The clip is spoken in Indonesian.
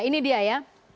ini dia ya